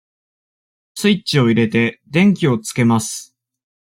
スイッチを入れて、電気をつけます。